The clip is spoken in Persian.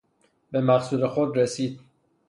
بمقصود خود رسید